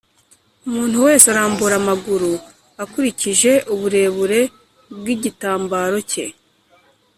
umuntu wese arambura amaguru akurikije uburebure bw'igitambaro cye